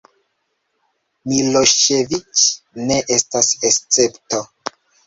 Miloŝeviĉ ne estas escepto.